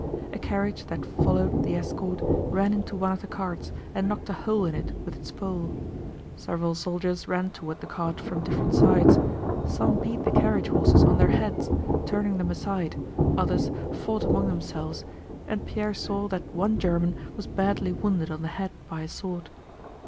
A carriage that followed the escort ran into one of the carts and knocked a hole in it with its pole. Several soldiers ran toward the cart from different sides: some beat the carriage horses on their heads, turning them aside, others fought among themselves, and Pierre saw that one German was badly wounded on the head by a sword.